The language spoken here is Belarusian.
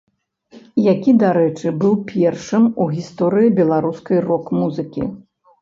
Які, дарэчы, быў першым у гісторыі беларускай рок-музыкі.